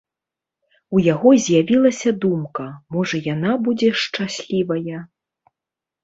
У яго з'явілася думка, можа яна будзе шчаслівая.